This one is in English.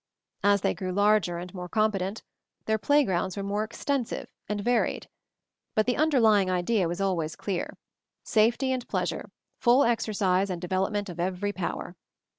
As they grew larger and more competent, their playgrounds were more extensive and 212 MOVING THE MOUNTAIN varied ; but the underlying idea was always clear — safety and pleasure, full exercise and development of every power.